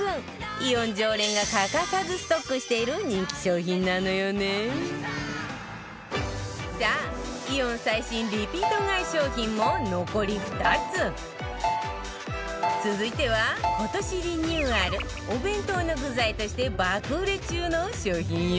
イオン常連が欠かさずストックしている人気商品なのよねさあ、イオン最新リピート買い商品も残り２つ続いては、今年リニューアルお弁当の具材として爆売れ中の商品よ